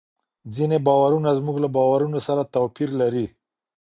ځینې باورونه زموږ له باورونو سره توپیر لري.